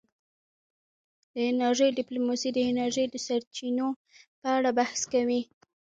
د انرژۍ ډیپلوماسي د انرژۍ د سرچینو په اړه بحث کوي